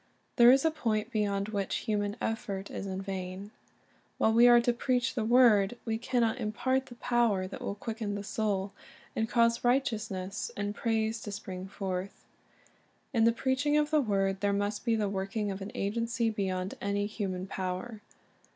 There is a point beyond which human effort is in vain. While we are to preach the word, we can not impart the power that will quicken the soul, and cause righteousness and praise to spring forth. In the preaching of the word there ■, must be the working of an agency beyond ''^•*> any human power.